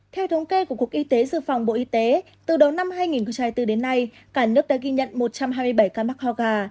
theo thống kê của cục y tế dự phòng bộ y tế từ đầu năm hai nghìn hai mươi bốn đến nay cả nước đã ghi nhận một trăm hai mươi bảy ca mắc ho gà